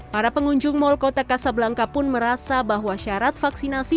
para pengunjung mal kota kasablangka pun merasa bahwa syarat vaksinasi